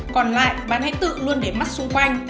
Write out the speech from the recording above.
còn lại bạn hãy tự luôn để mắt xuống